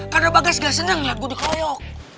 karena bagas gak seneng liat gue dikoyok